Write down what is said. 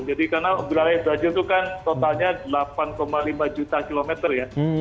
jadi karena wilayah brazil itu kan totalnya delapan lima juta kilometer ya